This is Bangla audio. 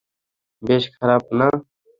বেশ, খারাপ না।